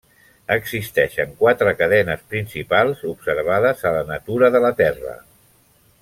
Existeixen quatre cadenes principals observades a la natura de la Terra.